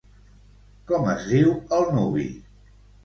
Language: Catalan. Com es diu el nuvi?